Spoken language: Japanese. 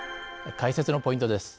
解説のポイントです。